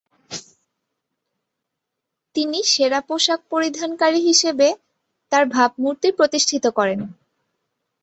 তিনি সেরা পোশাক পরিধানকারী হিসেবে তার ভাবমূর্তি প্রতিষ্ঠিত করেন।